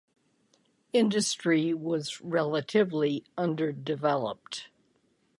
Industry was relatively underdeveloped.